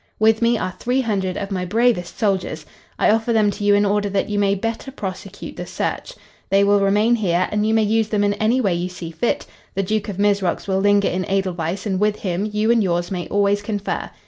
With me are three hundred of my bravest soldiers. I offer them to you in order that you may better prosecute the search. They will remain here and you may use them in any way you see fit. The Duke of Mizrox will linger in Edelweiss and with him you and yours may always confer.